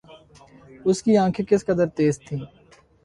اس کی آنکھیں کس قدر تیز تھیں